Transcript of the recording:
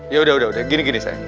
yaudah udah gini gini sayang